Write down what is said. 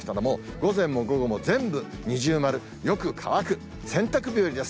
午前も午後も全部二重丸、よく乾く、洗濯日和です。